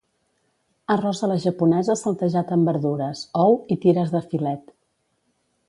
Arròs a la japonesa saltejat amb verdures, ou i tires de filet.